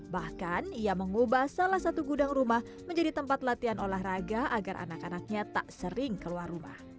bahkan ia mengubah salah satu gudang rumah menjadi tempat latihan olahraga agar anak anaknya tak sering keluar rumah